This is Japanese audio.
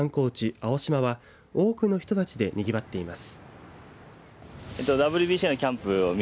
青島は多くの人たちでにぎわっています。